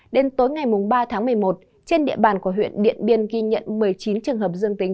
đến tối ngày ba tháng một mươi một trên địa bàn của huyện điện biên ghi nhận một mươi chín trường hợp dương tính